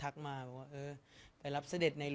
สงฆาตเจริญสงฆาตเจริญ